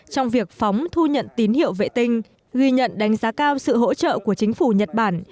trong việc phóng thu nhận tín hiệu vệ tinh ghi nhận đánh giá cao sự hỗ trợ của chính phủ nhật bản